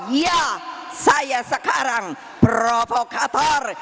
ya saya sekarang provokator